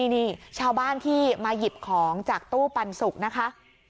นี่ชาวบ้านที่มาหยิบของจากตู้ปันสุกนะคะ